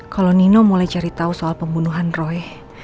kalau nino mulai cari tahu soal pembunuhan roy